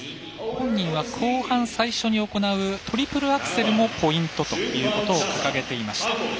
本人は後半最初に行うトリプルアクセルもポイントということを掲げていました。